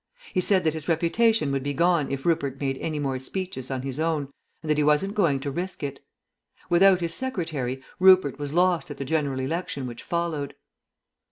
He said that his reputation would be gone if Rupert made any more speeches on his own, and that he wasn't going to risk it. Without his secretary Rupert was lost at the General Election which followed.